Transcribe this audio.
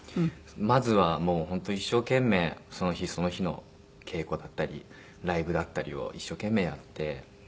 まずはもう本当一生懸命その日その日の稽古だったりライブだったりを一生懸命やって。